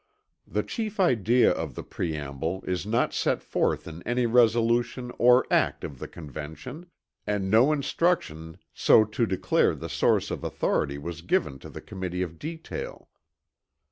The chief idea of the preamble is not set forth in any resolution or act of the Convention; and no instruction so to declare the source of authority was given to the Committee of Detail.